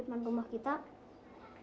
mama dan ibu mesti menyukai